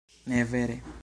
Ne vere.